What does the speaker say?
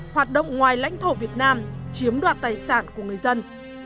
hoạt động ngoài lãnh thổ việt nam chiếm đoạt tài sản của người dân